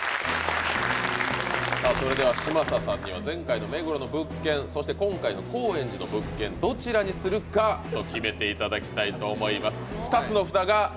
さあそれでは嶋佐さんには前回の目黒の物件そして今回の高円寺の物件どちらにするか決めていただきたいと思います